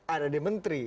ada di menteri